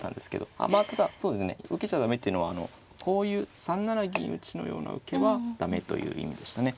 まあただそうですね受けちゃ駄目っていうのはこういう３七銀打のような受けは駄目という意味でしたね。